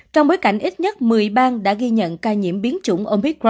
trong bối cảnh ít nhất một mươi bang đã ghi nhận ca nhiễm biến chủng omitry